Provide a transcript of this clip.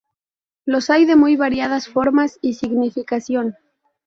Los hay de muy variadas formas y significación.